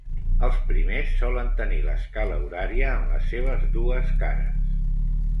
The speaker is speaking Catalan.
Els primers solen tenir l'escala horària en les seves dues cares.